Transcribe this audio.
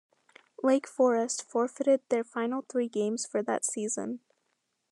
Lake Forest forfeited their final three games for that season.